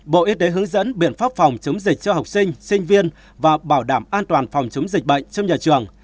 bộ y tế hướng dẫn biện pháp phòng chống dịch cho học sinh sinh viên và bảo đảm an toàn phòng chống dịch bệnh trong nhà trường